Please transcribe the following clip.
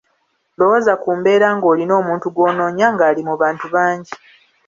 Lowooza ku mbeera ng’olina omuntu gw’onoonya ng’ali mu bantu bangi,